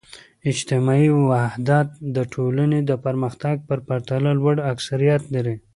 اجتماعي وحدت د ټولنې د پرمختګ په پرتله لوړ اکثریت لري.